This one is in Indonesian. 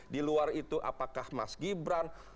di luar itu apakah mas gibran